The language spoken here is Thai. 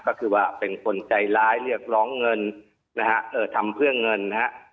ก็คือว่าเป็นคนใจร้ายเรียกร้องเงินนะฮะเอ่อทำเพื่อเงินนะฮะ